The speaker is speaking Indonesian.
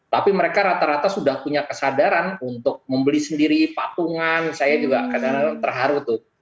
tapi mereka rata rata sudah punya kesadaran untuk membeli sendiri patungan saya juga kadang kadang terharu tuh